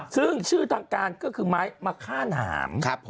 ซึ่งชื่อตังการก็คือม้ายมาฆ่านาม